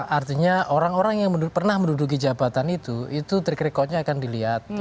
artinya orang orang yang pernah menduduki jabatan itu itu track recordnya akan dilihat